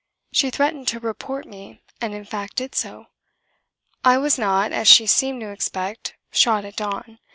She threatened to "report" me, and in fact did so. I was not as she seemed to expect shot at dawn.